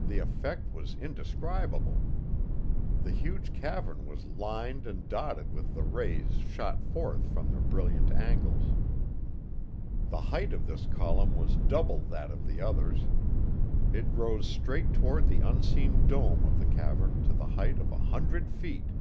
The effect was indescribable. The huge cavern was lined and dotted with the rays shot forth from their brilliant angles. The height of this column was double that of the others; it rose straight toward the unseen dome of the cavern to the height of a hundred feet.